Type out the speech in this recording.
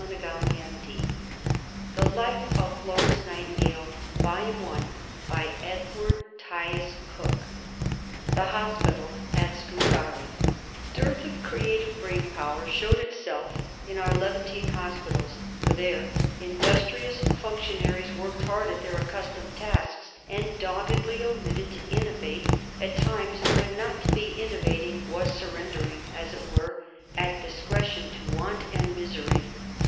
See on this point the references given below, p. 210 n. CHAPTER III THE HOSPITALS AT SCUTARI Dearth of creative brain power showed itself in our Levantine hospitals, for there industrious functionaries worked hard at their accustomed tasks, and doggedly omitted to innovate at times when not to be innovating was surrendering, as it were, at discretion to want and misery.